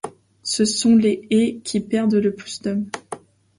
Ce sont les et qui perdent le plus d'hommes.